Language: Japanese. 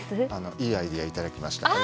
いいアイデアいただきました。